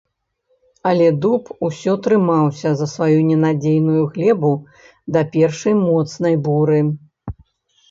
Але дуб усё трымаўся за сваю ненадзейную глебу да першай моцнай буры.